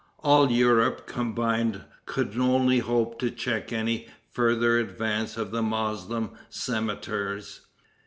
All Europe combined could only hope to check any further advance of the Moslem cimeters.